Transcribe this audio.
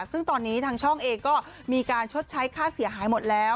ซึ่งตอนนี้ทางช่องเองก็มีการชดใช้ค่าเสียหายหมดแล้ว